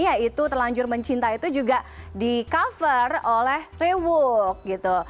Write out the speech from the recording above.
yaitu telanjur mencinta itu juga di cover oleh rewood gitu